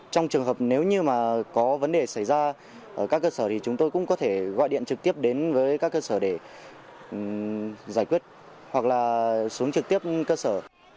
trong trường hợp nếu như mà có vấn đề xảy ra ở các cơ sở thì chúng tôi cũng có thể gọi điện trực tiếp đến với các cơ sở để giải quyết hoặc là xuống trực tiếp cơ sở